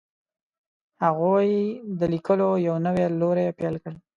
هغوی د لیکلو یو نوی لوری پیل کړ.